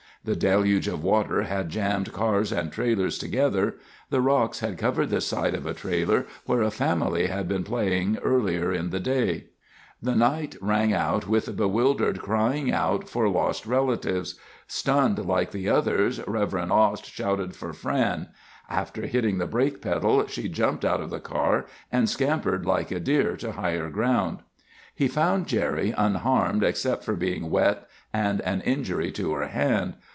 The deluge of water had jammed cars and trailers together. The rocks had covered the site of a trailer where a family had been playing earlier in the day. [Illustration: Remains of campground.] The night rang out with the bewildered crying out for lost relatives. Stunned like the others, Rev. Ost shouted for "Fran." After hitting the brake pedal she'd jumped out of the car and scampered, like a deer, to higher ground. He found Gerry, unharmed, except for being wet and an injury to her hand.